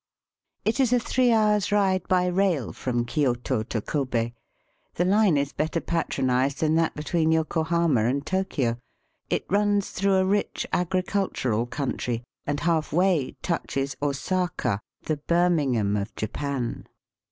It is a three hours' ride by rail from Kioto to Kobe. The hne is better patronized than that between Yokohama and Tokio. It runs through a rich agricultural country, and half way touches Osaka, the Birmingham of Japan.